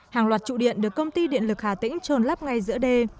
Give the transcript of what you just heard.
hàng loạt trụ điện được công ty điện lực hà tĩnh trôn lấp ngay giữa đê